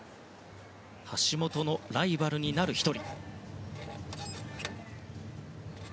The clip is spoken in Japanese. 橋本のライバルになる１人。